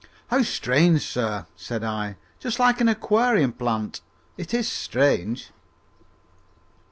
"How strange, sir," said I. "Just like an aquarium plant. It is strange!"